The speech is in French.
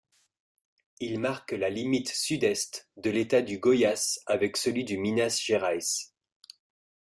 Il marque la limite sud-est de l'État du Goiás, avec celui du Minas Gerais.